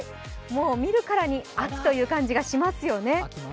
もう見るからに秋という感じがしますよね。